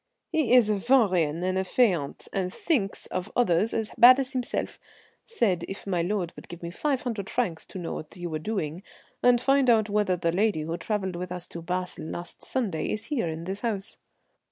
"He is a vaurien and fainéant, and thinks others as bad as himself; said my lord would give me five hundred francs to know what you were doing, and find out whether the lady who travelled with us to Basle last Sunday is here in this house."